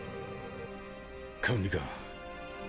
管理官。